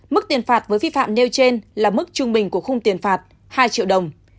mức tiền phạt với vi phạm nêu trên là mức trung bình của khung tiền phạt hai triệu đồng